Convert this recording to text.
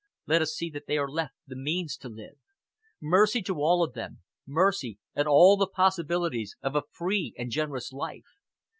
Let us see that they are left the means to live. Mercy to all of them mercy, and all the possibilities of a free and generous life.